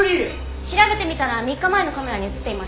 調べてみたら３日前のカメラに映っていました。